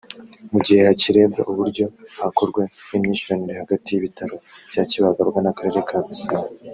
mu gihe hakirebwa uburyo hakorwa imyishyuranire hagati y’ibitaro bya Kibagabaga n’Akarere ka Gasabo